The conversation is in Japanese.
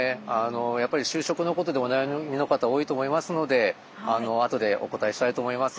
やっぱり就職のことでお悩みの方多いと思いますのであとでお答えしたいと思います。